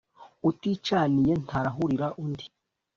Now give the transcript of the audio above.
uticaniye ntarahurira undi